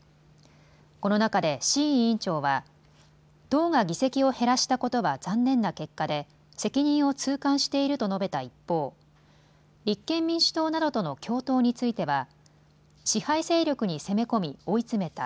この中で志位委員長は党が議席を減らしたことは残念な結果で責任を痛感していると述べた一方、立憲民主党などとの共闘については支配勢力に攻め込み追い詰めた。